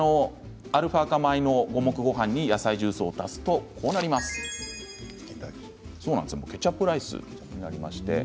アルファ化米の五目ごはんに野菜ジュースを足すとケチャップライスのようになります。